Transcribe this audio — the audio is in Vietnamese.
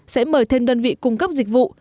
sẽ mời thêm đơn vị cung cấp dịch vụ